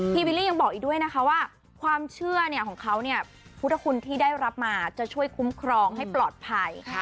วิลลี่ยังบอกอีกด้วยนะคะว่าความเชื่อของเขาเนี่ยพุทธคุณที่ได้รับมาจะช่วยคุ้มครองให้ปลอดภัย